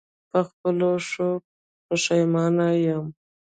په خپلو ښو پښېمانه یم.